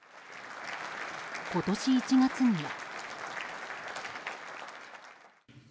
今年１月には。